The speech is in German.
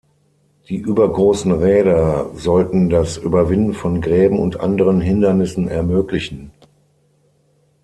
Die übergroßen Räder sollten das Überwinden von Gräben und anderen Hindernissen ermöglichen.